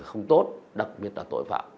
không tốt đặc biệt là tội phạm